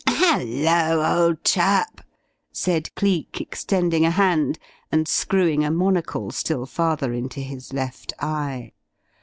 "Hello, old chap," said Cleek, extending a hand, and screwing a monocle still farther into his left eye.